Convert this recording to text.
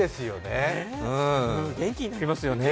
元気になりますよね。